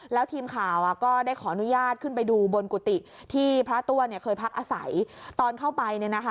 แล้วทีมข่าวก็ได้ขออนุญาตขึ้นไปดูบนกุฏิที่พระตัวเนี่ยเคยพักอาศัยตอนเข้าไปเนี่ยนะคะ